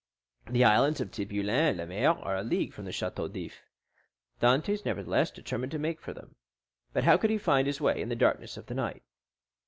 The islands of Tiboulen and Lemaire are a league from the Château d'If; Dantès, nevertheless, determined to make for them. But how could he find his way in the darkness of the night?